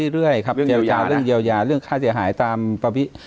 เรื่อยครับเยียวยาเรื่องเยียวยาเรื่องค่าเสียหายตามประวิ